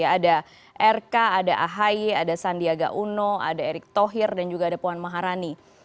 ada rk ada ahy ada sandiaga uno ada erick thohir dan juga ada puan maharani